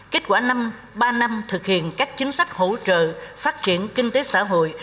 kết quả năm ba năm thực hiện các chính sách hỗ trợ phát triển kinh tế xã hội